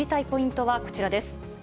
ポイントはこちらです。